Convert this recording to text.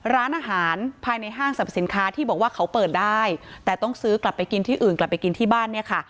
ร้านอาหารภายในห้างสรรพสินค้าที่บอกว่าเขาเปิดได้แต่ต้องซื้อกลับไปกินที่อื่นกลับไปกินที่บ้านเนี่ยค่ะ